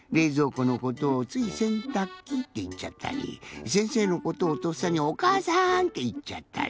このことをついせんたくきっていっちゃったりせんせいのことをとっさにおかあさん！っていっちゃったり。